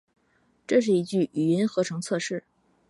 这是一句语音合成测试